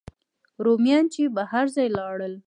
رومیان چې به هر ځای لاړل.